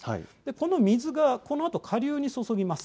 この水がこのあと下流に注ぎます。